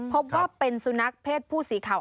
พบว่าเป็นสุนัขเพศผู้สีขาว